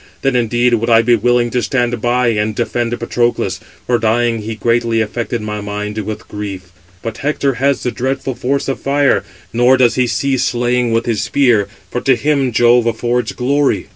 Then indeed would I be willing to stand by and defend Patroclus; for dying, he greatly affected my mind with grief. But Hector has the dreadful force of fire, nor does he cease slaying with his spear; for to him Jove affords glory."